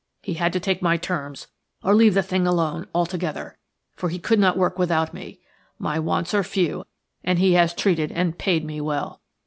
He had to take my terms or leave the thing alone altogether, for he could not work without me. My wants are few, and he has treated and paid me well.